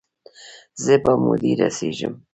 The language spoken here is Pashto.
زه په مودې رسیږم